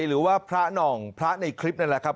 หรือว่าพระหน่องพระในคลิปนั่นแหละครับ